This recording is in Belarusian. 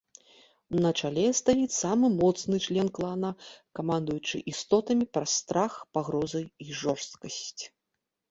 На чале стаіць самы моцны член клана, камандуючы істотамі праз страх, пагрозы і жорсткасць.